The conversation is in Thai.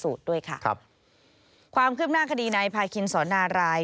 สูตรด้วยค่ะครับความเคลือบหน้าคดีในพาคิณศรนารายน์